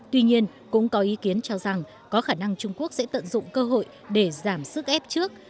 tuy nhiên cũng có ý kiến cho rằng có khả năng trung quốc sẽ tận dụng cơ hội để giảm sức ép trước